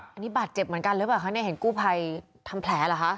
อันนี้บาดเจ็บเหมือนกันหรือเปล่าคะเนี่ยเห็นกู้ภัยทำแผลเหรอคะ